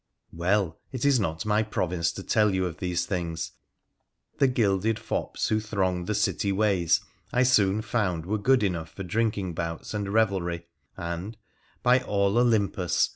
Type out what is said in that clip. Well, it is not my province to tell you of these things. The gilded fops who thronged the city ways I soon found were good enough for drinking bouts and revelry, and, by all Olympus